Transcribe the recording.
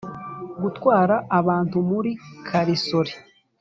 gutwara abantu muri karisoli